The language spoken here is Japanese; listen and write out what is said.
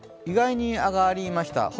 意外に上がりました。